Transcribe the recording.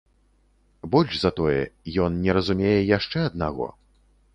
Больш за тое, ён не разумее яшчэ аднаго.